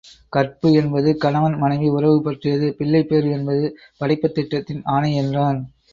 கற்பு என்பது கணவன் மனைவி உறவு பற்றியது, பிள்ளைப் பேறு என்பது படைப்புத் திட்டத்தின் ஆணை என்றான்.